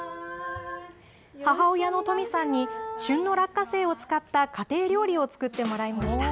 母親の登美さんに、旬の落花生を使った家庭料理を作ってもらいました。